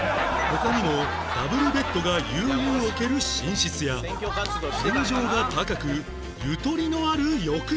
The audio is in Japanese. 他にもダブルベッドが悠々置ける寝室や天井が高くゆとりのある浴室も